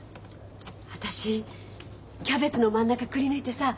私キャベツの真ん中くり抜いてさ